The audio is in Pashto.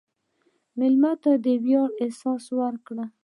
مېلمه ته د ویاړ احساس ورکړه.